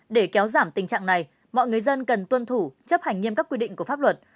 để kéo giảm tình trạng này mọi người dân cần tuân thủ chấp hành nghiêm các quy định của pháp luật